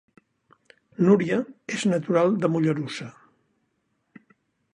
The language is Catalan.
Núria és natural de Mollerussa